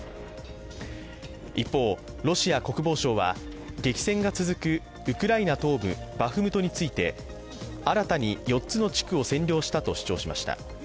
一方、ロシア国防省は激戦が続くウクライナ東部バフムトについて新たに４つの地区を占領したと主張しました。